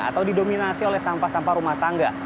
atau didominasi oleh sampah sampah rumah tangga